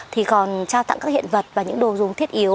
thì còn trao tặng các hiện vật và những đồ dùng thiết yếu